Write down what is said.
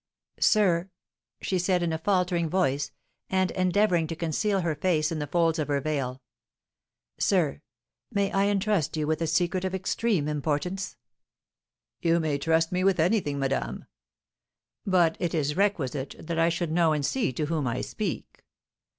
"Sir," she said, in a faltering voice, and endeavouring to conceal her face in the folds of her veil, "Sir, may I entrust you with a secret of extreme importance?" "You may trust me with anything, madame. But it is requisite that I should know and see to whom I speak."